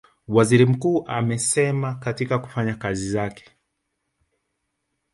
Waziri Mkuu amesema katika kufanya kazi zake